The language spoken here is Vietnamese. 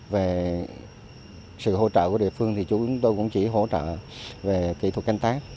về sự hỗ trợ của địa phương thì chủ chúng tôi cũng chỉ hỗ trợ về kỹ thuật canh tác